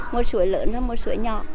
một suối lớn và một suối nhỏ